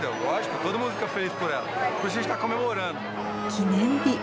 記念日。